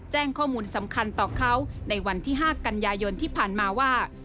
แจ้งข้อมูลสำคัญต่อเขาในวันที่๕กันยายนที่ผ่านมาว่า